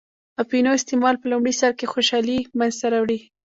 اپینو استعمال په لومړی سر کې خوشحالي منځته راوړي.